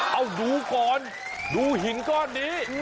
เอาดูก่อนดูหินก็ดี